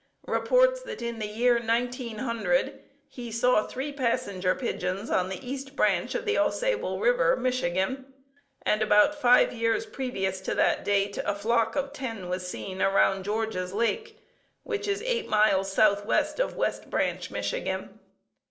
reports that in the year 1900 he saw three Passenger Pigeons on the East Branch of Au Sable River, Michigan, and about five years previous to that date a flock of ten was seen around George's Lake, which is eight miles southwest of West Branch, Michigan.